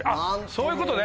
そういうことね！